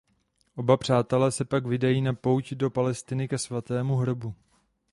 Oba přátelé se pak vydají na pouť do Palestiny ke Svatému hrobu.